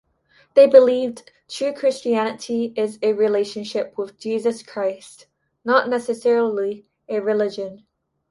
They believe true Christianity is a relationship with Jesus Christ, not necessarily a religion.